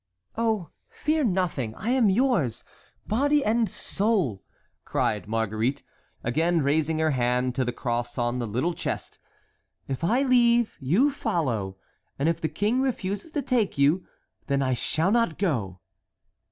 "Oh, fear nothing, I am yours, body and soul!" cried Marguerite, again raising her hand to the cross on the little chest. "If I leave, you follow, and if the king refuses to take you, then I shall not go."